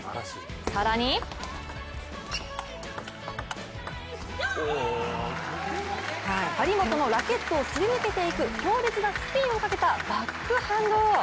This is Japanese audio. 更に張本のラケットをすり抜けていく強烈なスピンをかけたバックハンド。